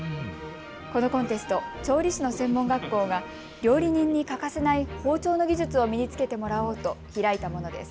このコンテスト、調理師の専門学校が料理人に欠かせない包丁の技術を身につけてもらおうと開いたものです。